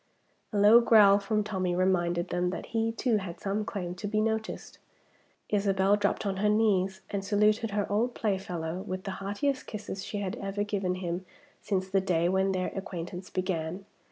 A low growl from Tommie reminded them that he too had some claim to be noticed. Isabel dropped on her knees, and saluted her old playfellow with the heartiest kisses she had ever given him since the day when their acquaintance began.